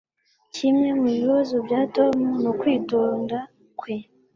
Kimwe mubibazo bya Tom nukwitonda kwe